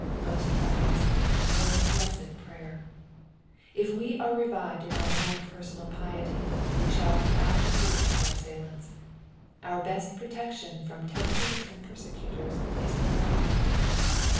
'*^ Most wise, most blessed prayer 1 ' If we are revived in our own personal piety we shall be out of reach of our assailants. Our best protection from tempters and persecutors is more life.